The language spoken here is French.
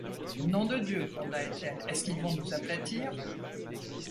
Nom de Dieu! gronda Étienne, est-ce qu’ils vont nous aplatir?